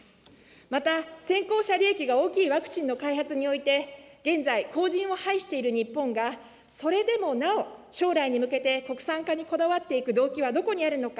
また先行者利益が大きいワクチンの開発において、現在、後じんを拝している日本が、それでもなお、将来に向けて、国産化にこだわっていく動機はどこにあるのか。